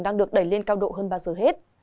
đang được đẩy lên cao độ hơn bao giờ hết